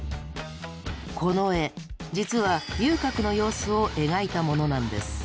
この絵実は遊郭の様子を描いたものなんです。